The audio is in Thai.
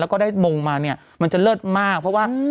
แล้วก็ได้มงมาเนี่ยมันจะเลิศมากเพราะว่า